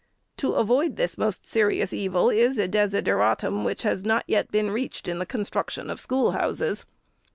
To avoid this most serious evil, is a desideratum, which has not yet been reached in the construction of schoolhouses.